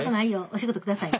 お仕事下さい。